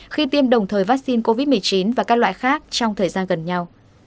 khi tiêm đồng thời vaccine covid một mươi chín và các loại khác trong thời gian gần nhau